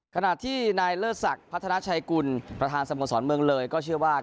ขณะที่นายเลิศศักดิ์พัฒนาชัยกุลประธานสโมสรเมืองเลยก็เชื่อว่า